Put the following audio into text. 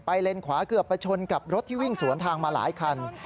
เลนขวาเกือบไปชนกับรถที่วิ่งสวนทางมาหลายคัน